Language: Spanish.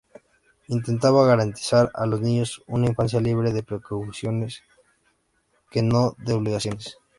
Intentaba garantizar a los niños una infancia libre de preocupaciones, que no de obligaciones.